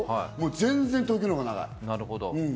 全然、東京の方が長い。